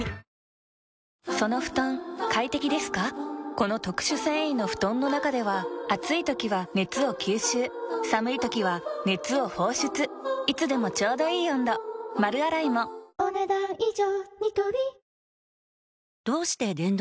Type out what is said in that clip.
この特殊繊維の布団の中では暑い時は熱を吸収寒い時は熱を放出いつでもちょうどいい温度丸洗いもお、ねだん以上。